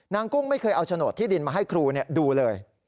กุ้งไม่เคยเอาโฉนดที่ดินมาให้ครูดูเลย